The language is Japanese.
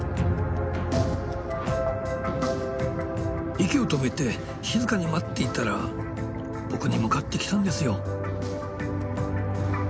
息を止めて静かに待っていたら僕に向かってきたんですよ。